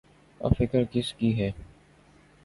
اب فکر کس کی‘ کی جائے؟